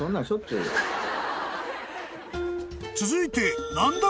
［続いて］